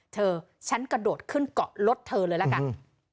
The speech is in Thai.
เธอฉันกระโดดขึ้นเกาะรถเธอเลยละกัน